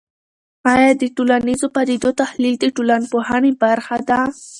آیا د ټولنیزو پدیدو تحلیل د ټولنپوهنې برخه ده؟